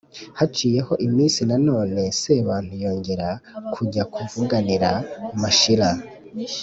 haciyeho iminsi na none sebantu yongera kujya kuvuganira mashira